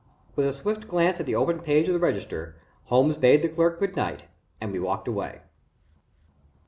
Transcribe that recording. With a swift glance at the open page of the register, Holmes bade the clerk good night and we walked away.